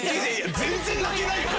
全然泣けないよ